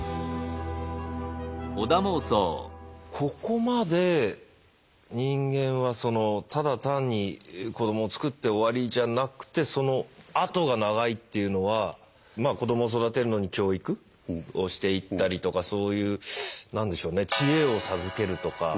ここまで人間はただ単に子どもをつくって終わりじゃなくてそのあとが長いっていうのは子どもを育てるのに教育をしていったりとかそういう知恵を授けるとか